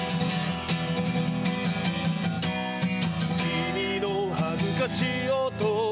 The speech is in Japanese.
「君の恥ずかしい音